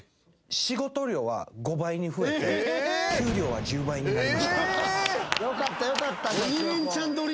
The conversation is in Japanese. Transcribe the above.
仕事量は５倍に増えて給料は１０倍になりました。